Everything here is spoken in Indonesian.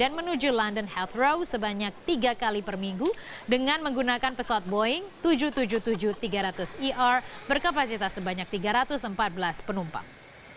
dan menuju london heathrow sebanyak tiga kali per minggu dengan menggunakan pesawat boeing tujuh ratus tujuh puluh tujuh tiga ratus er berkapasitas sebanyak tiga ratus empat belas penumpang